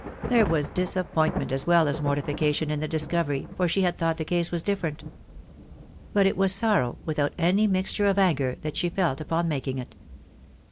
There was disap pointment as well as mortification in the discovery, for she had thought the case was different. But it was sorrow, without any mixture of anger, that she felt upon making it.